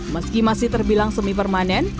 meski masih terbilang semi permanen